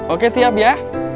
oke siap ya